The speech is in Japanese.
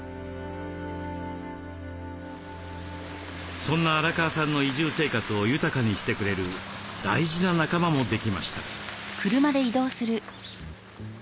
そんな荒川さんの移住生活を豊かにしてくれる大事な仲間もできました。